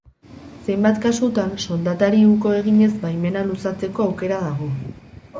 Zenbait kasutan soldatari uko eginez baimena luzatzeko aukera dago.